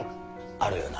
あるよな？